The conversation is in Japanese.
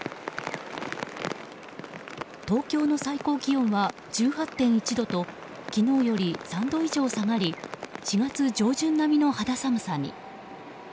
東京の最高気温は１８．１度と昨日より３度以上下がり４月上旬並みの肌寒さに。